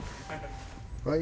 はい。